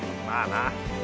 まあな。